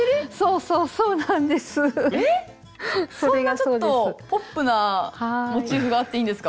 そんなちょっとポップなモチーフがあっていいんですか？